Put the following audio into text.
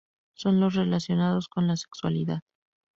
Son los relacionados con la sexualidad.